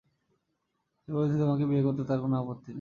সে বলেছে তোমাকে বিয়ে করতে তার কোন আপত্তি নেই।